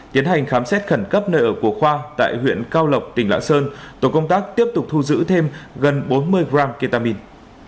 tiến hành khám xét khẩn cấp nơi ở của khoa tại huyện cao lộc tỉnh lạng sơn tổ công tác tiếp tục thu giữ thêm gần bốn mươi gram ketamine